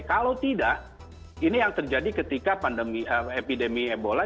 kalau tidak ini yang terjadi ketika pandemi epidemik ebola